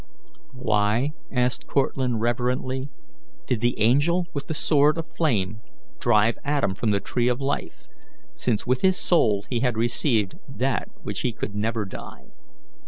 "Why," asked Cortlandt reverently, " did the angel with the sword of flame drive Adam from the Tree of Life, since with his soul he had received that which could never die?"